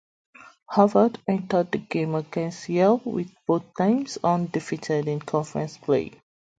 Harvard entered the game against Yale with both teams undefeated in conference play.